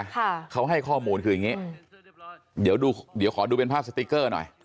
ค่ะเขาให้ข้อมูลคืออย่างงี้เดี๋ยวดูเดี๋ยวขอดูเป็นภาพสติ๊กเกอร์หน่อย